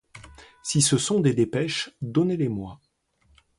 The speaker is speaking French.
Si ce sont des dépêches, donnez-les-moi.